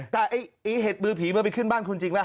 แต่ไอ้เห็ดมือผีมันไปขึ้นบ้านคุณจริงป่